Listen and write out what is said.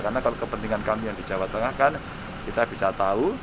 karena kalau kepentingan kami yang di jawa tengah kan kita bisa tahu